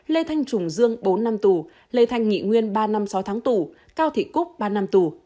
lê thanh trùng dương bốn năm tù lê thanh nghị nguyên ba năm sáu tháng tù cao thị cúc ba năm tù